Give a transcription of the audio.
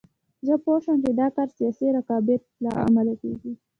زه پوه شوم چې دا کار سیاسي رقابت له امله کېږي.